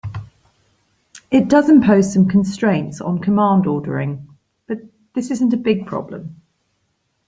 It does impose some constraints on command ordering, but this isn't a big problem.